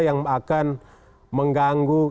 yang akan mengganggu